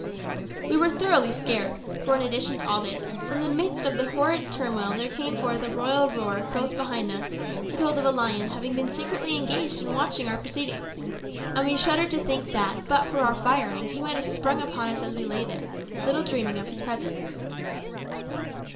We were thoroughly scared, for, in addition to all this, from the midst of the horrid turmoil there came forth a royal roar close behind us that told of a lion having been secretly engaged in watching our proceedings; and we shuddered to think that, but for our firing, he might have sprung upon us as we lay there, little dreaming of his presence.